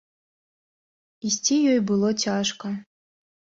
Ісці ёй было цяжка.